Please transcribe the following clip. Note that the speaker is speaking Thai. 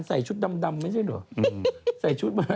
ใส่ชุดดำไม่ใช่เหรอ